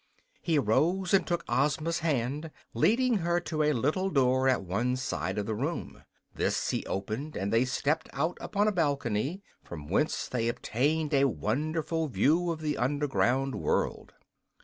He arose and took Ozma's hand, leading her to a little door at one side of the room. This he opened and they stepped out upon a balcony, from whence they obtained a wonderful view of the Underground World.